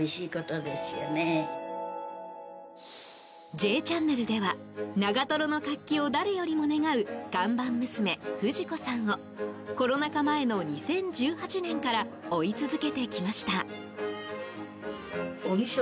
「Ｊチャンネル」では長瀞の活気を誰よりも願う看板娘・不二子さんをコロナ禍前の２０１８年から追い続けてきました。